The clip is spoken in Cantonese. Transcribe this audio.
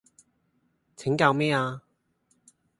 請教咩吖